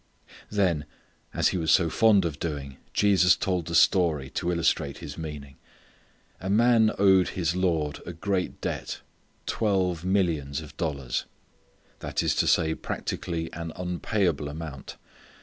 Then as He was so fond of doing Jesus told a story to illustrate His meaning. A man owed his lord a great debt, twelve millions of dollars; that is to say practically an unpayable amount.